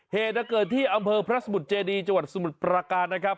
เหตุเกิดที่อำเภอพระสมุทรเจดีจังหวัดสมุทรประการนะครับ